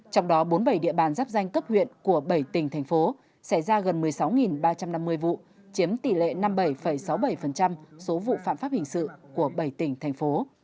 trong đó bốn mươi bảy địa bàn giáp danh cấp huyện của bảy tỉnh thành phố xảy ra gần một mươi sáu ba trăm năm mươi vụ chiếm tỷ lệ năm mươi bảy sáu mươi bảy số vụ phạm pháp hình sự của bảy tỉnh thành phố